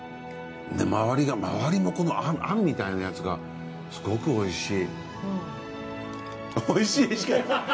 周りが周りのこの餡みたいなやつがすごくおいしい。